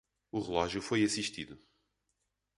O relógio foi assistido.